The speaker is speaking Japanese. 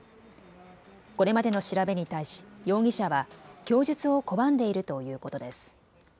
これまでの調べに対し容疑者は供述を拒んでいるということです。